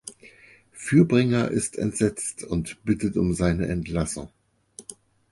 Fürbringer ist entsetzt und bittet um seine Entlassung.